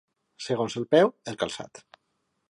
Segons el peu, el calçat.